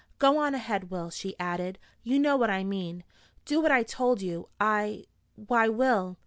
Go on ahead, Will," she added. "You know what I mean. Do what I told you. I why, Will!"